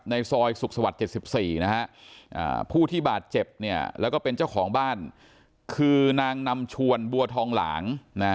ในซอยสุขสวัสดิ์๗๔ผู้ที่บาดเจ็บแล้วก็เป็นเจ้าของบ้านคือนางนำชวนบัวทองหลาง